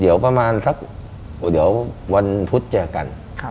เดี๋ยวประมาณสักเดี๋ยววันพุธเจอกัน